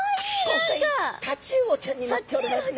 今回タチウオちゃんになっておりますね！